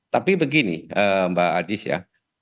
tapi begini mbak adis ya